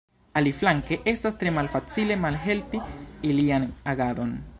Aliflanke, estas tre malfacile malhelpi ilian agadon.